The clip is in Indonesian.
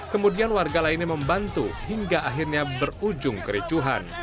kemudian warga lainnya membantu hingga akhirnya berujung kericuhan